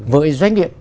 với doanh nghiệp